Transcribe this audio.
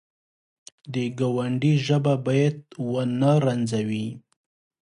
د ګاونډي ژبه باید ونه رنځوي